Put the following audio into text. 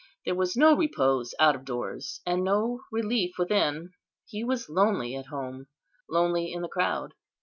There was no repose out of doors, and no relief within. He was lonely at home, lonely in the crowd.